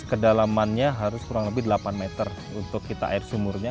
kedalamannya harus kurang lebih delapan meter untuk kita air sumurnya